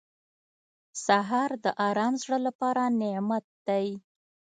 سهار د ارام زړه لپاره نعمت دی.